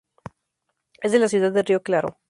Es de la ciudad de Rio Claro.